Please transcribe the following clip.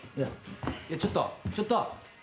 「いやちょっとちょっと！」